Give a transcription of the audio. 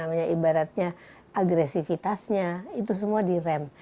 dorongan untuk kemudian ibaratnya agresifitasnya itu semua direm